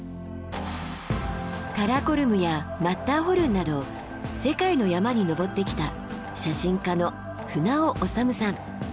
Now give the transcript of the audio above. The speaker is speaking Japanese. カラコルムやマッターホルンなど世界の山に登ってきた写真家の船尾修さん。